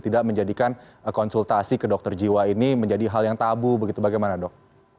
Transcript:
tidak menjadikan konsultasi ke dokter jiwa ini menjadi hal yang tabu begitu bagaimana dok